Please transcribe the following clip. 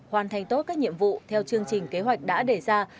hoàn thành tốt các nhiệm vụ theo chương trình kế hoạch đã đề ra